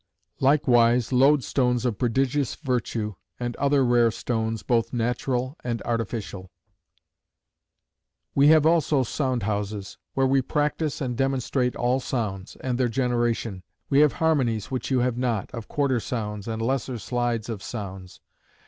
Likewise loadstones of prodigious virtue; and other rare stones, both natural and artificial. "We have also sound houses, where we practise and demonstrate all sounds, and their generation. We have harmonies which you have not, of quarter sounds, and lesser slides of sounds.